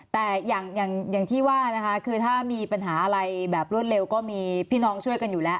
แต่อย่างที่ว่านะคะคือถ้ามีปัญหาอะไรแบบรวดเร็วก็มีพี่น้องช่วยกันอยู่แล้ว